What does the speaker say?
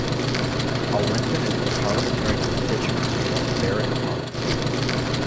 Alwinton is in the parliamentary constituency of Berwick-upon-Tweed.